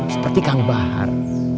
seperti kang bahar